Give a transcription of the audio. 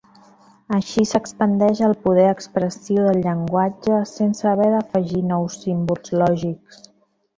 Així s'expandeix el poder expressiu del llenguatge sense haver d'afegir nous símbols lògics.